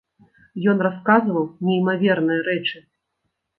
Ён расказваў неймаверныя рэчы.